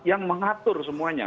yang mengatur semuanya